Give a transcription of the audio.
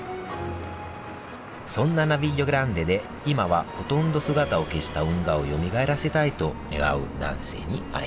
そんなナヴィリオ・グランデで今はほとんど姿を消した運河をよみがえらせたいと願う男性に会いました